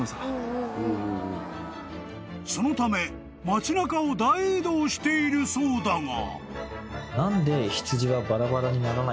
［そのため町中を大移動しているそうだが］